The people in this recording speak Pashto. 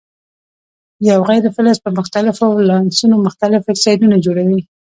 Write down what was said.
یو غیر فلز په مختلفو ولانسو مختلف اکسایدونه جوړوي.